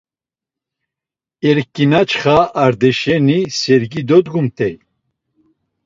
Erǩinaçxa Art̆aşeni sergi dodgumt̆ey.